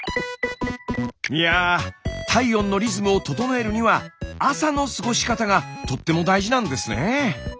いや体温のリズムを整えるには朝の過ごし方がとっても大事なんですね。